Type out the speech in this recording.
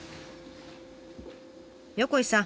横井さん